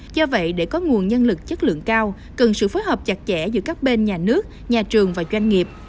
do vậy để có nguồn nhân lực chất lượng cao cần sự phối hợp chặt chẽ giữa các bên nhà nước nhà trường và doanh nghiệp